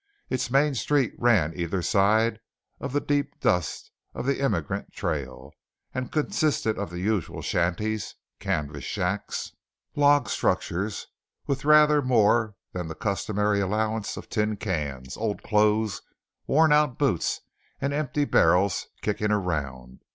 Its main street ran either side the deep dust of the immigrant trail, and consisted of the usual shanties, canvas shacks, and log structures, with rather more than the customary allowance of tin cans, old clothes, worn out boots, and empty barrels kicking around.